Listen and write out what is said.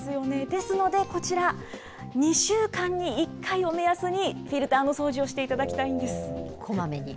ですので、こちら、２週間に１回を目安に、フィルターの掃除をしこまめに。